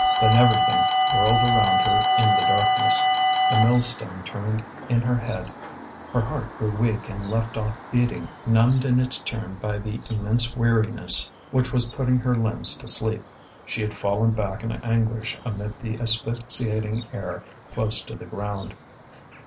Then everything whirled around her in the darkness; a millstone turned in her head, her heart grew weak and left off beating, numbed in its turn by the immense weariness which was putting her limbs to sleep. She had fallen back in anguish amid the asphyxiating air close to the ground.